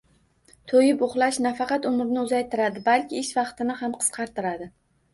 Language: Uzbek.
To'yib uxlash nafaqat umrni uzaytiradi, balki ish vaqtini ham qisqartiradi..